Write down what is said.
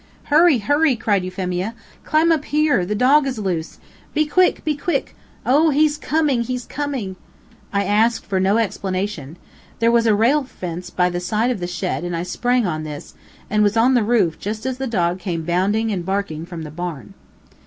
"Hurry, hurry!" cried Euphemia. "Climb up here! The dog is loose! Be quick! Be quick! Oh! he's coming, he's coming!" I asked for no explanation. There was a rail fence by the side of the shed and I sprang on this, and was on the roof just as the dog came bounding and barking from the barn.